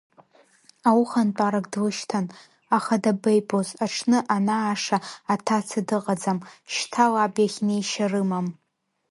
Аухантәарак длышьҭан, аха дабеибоз, аҽны анааша аҭаца дыҟаӡам, шьҭа лаб иахь неишьа рымам.